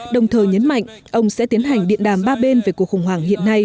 đồng thời nhấn mạnh ông sẽ tiến hành điện đàm ba bên về cuộc khủng hoảng hiện nay